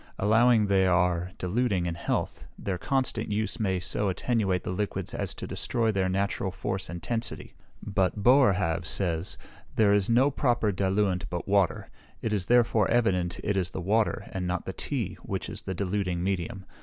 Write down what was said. Allowing they are diluting in health, their constant use may so attenuate the liquids as to destroy their natural force and tensity. But Boerhaave says, there is no proper diluent but water; it is therefore evident it is the water, and not the tea, which is the diluting medium.